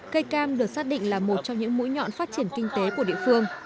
cây cam được xác định là một trong những mũi nhọn phát triển kinh tế của địa phương